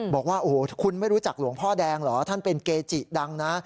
บอกว่าโอ้โหคุณไม่รู้จักหลวงพ่อแดงเหรอท่านเป็นเกจิดังนะ